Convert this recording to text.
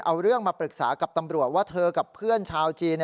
เอาเรื่องมาปรึกษากับตำรวจว่าเธอกับเพื่อนชาวจีน